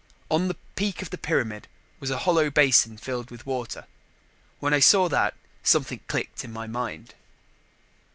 On the peak of the pyramid was a hollow basin filled with water. When I saw that, something clicked in my mind.